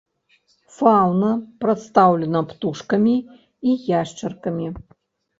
Фаўна прадстаўлена птушкамі і яшчаркамі.